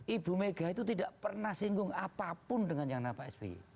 ibu mega itu tidak pernah singgung apapun dengan yang nama pak sby